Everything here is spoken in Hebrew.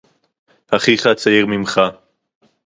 אָחִיךָ הַצָּעִיר מִמֶּךָּ